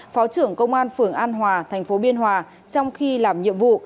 phó trưởng công an phường an hòa thành phố biên hòa trong khi làm nhiệm vụ